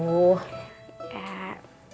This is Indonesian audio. suka ngebaik baikin gitu